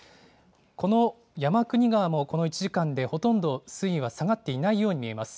この山国川もこの１時間でほとんど水位は下がっていないように見えます。